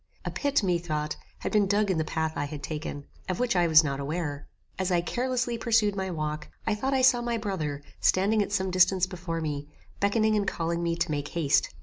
A pit, methought, had been dug in the path I had taken, of which I was not aware. As I carelessly pursued my walk, I thought I saw my brother, standing at some distance before me, beckoning and calling me to make haste.